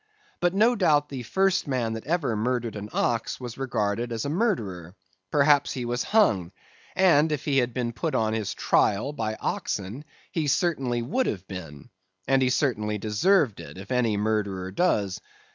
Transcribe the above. But no doubt the first man that ever murdered an ox was regarded as a murderer; perhaps he was hung; and if he had been put on his trial by oxen, he certainly would have been; and he certainly deserved it if any murderer does.